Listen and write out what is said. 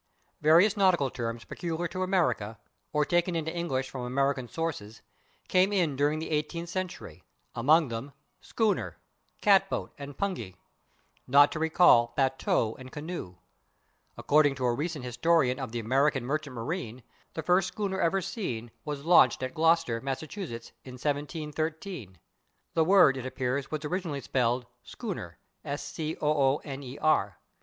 Various nautical terms peculiar to America, or taken into English from American sources, came in during the eighteenth century, among them, /schooner/, /cat boat/ and /pungy/, not to recall /batteau/ and /canoe/. According to a recent historian of the American merchant marine, the first schooner ever seen was launched at Gloucester, Mass., in 1713. The word, it appears, was originally spelled /scooner